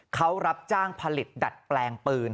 เขารับจ้างผลิตดัดแปลงปืน